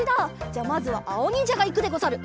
じゃまずはあおにんじゃがいくでござる。